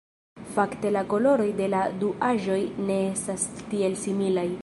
Fakte la koloroj de la du aĵoj ne estas tiel similaj.